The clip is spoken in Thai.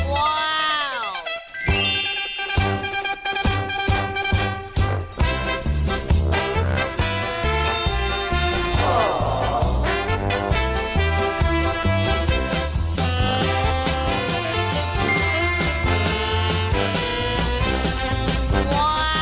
ว้าว